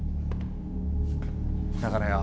だからよ